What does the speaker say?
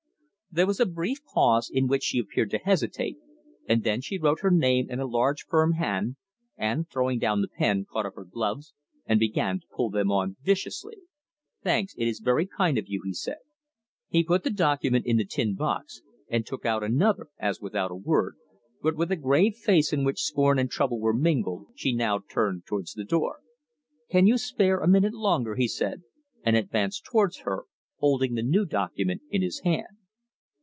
There was a brief pause, in which she appeared to hesitate, and then she wrote her name in a large firm hand, and, throwing down the pen, caught up her gloves, and began to pull them on viciously. "Thanks. It is very kind of you," he said. He put the document in the tin box, and took out another, as without a word, but with a grave face in which scorn and trouble were mingled, she now turned towards the door. "Can you spare a minute longer?" he said, and advanced towards her, holding the new document in his hand.